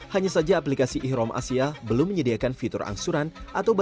hanya saja aplikasi ihrom asia belum menyediakan fitur angsuran dan tidak memiliki aplikasi yang sama